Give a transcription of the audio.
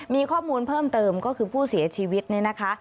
มีข้อมูลเพิ่มเติมก็คือผู้เสียชีวิตเนี่ยนะคะ